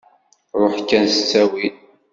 Ṛuḥ kan s ttawil.